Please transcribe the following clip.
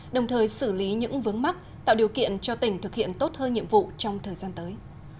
đồng thời xử lý những vướng mắc tạo điều kiện cho tỉnh thực hiện tốt hơn nhiệm vụ trong thời gian tới